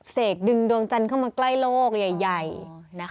เสกดึงดวงจันทร์เข้ามาใกล้โลกใหญ่